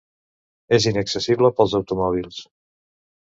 És inaccessible pels automòbils.